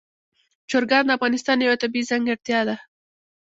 چرګان د افغانستان یوه طبیعي ځانګړتیا ده.